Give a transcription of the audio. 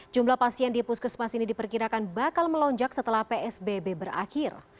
jumlah pasien di puskesmas ini diperkirakan bakal melonjak setelah psbb berakhir